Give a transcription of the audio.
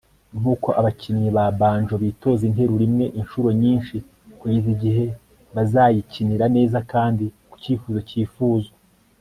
nkuko abakinyi ba banjo bitoza interuro imwe inshuro nyinshi kugeza igihe bazayikinira neza kandi ku cyifuzo cyifuzwa